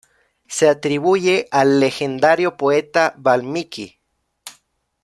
Se atribuye al legendario poeta Valmiki.